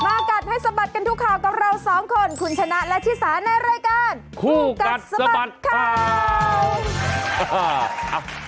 กัดให้สะบัดกันทุกข่าวกับเราสองคนคุณชนะและชิสาในรายการคู่กัดสะบัดข่าว